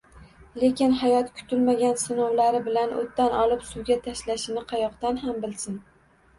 Lekin hayot kutilmagan sinovlari bilan o`tdan olib suvga tashlashini qayoqdan ham bilsin